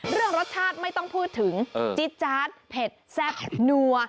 เรื่องรสชาติไม่ต้องพูดถึงจิ๊จาดเผ็ดแซ่บนัว